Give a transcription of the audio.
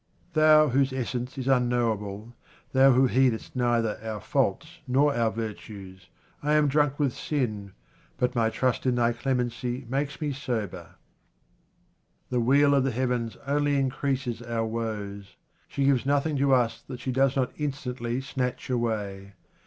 Thou whose essence is unknowable, Thou who heedest neither our faults nor our virtues, I am drunk with sin, but my trust in Thy clemency makes me sober. The wheel of the heavens only increases our woes. She gives nothing to us that she does not instantly snatch away.